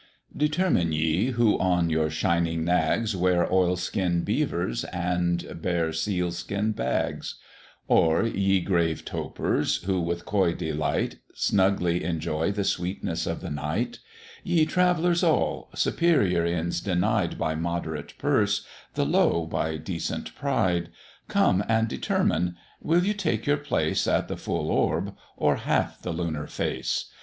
Determine ye, who on your shining nags Wear oil skin beavers, and bear seal skin bags; Or ye, grave topers, who with coy delight Snugly enjoy the sweetness of the night; Ye travellers all, superior Inns denied By moderate purse, the low by decent pride; Come and determine, will you take your place At the full Orb, or half the lunar Face?